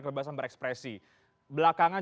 kebebasan berekspresi belakangan